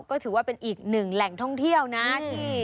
ก็ถือว่าเป็นอีกหนึ่งแหล่งท่องเที่ยวนะที่